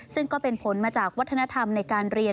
ซึ่งก็เป็นผลมาจากวัฒนธรรมในการเรียน